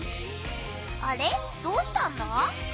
あれどうしたんだ？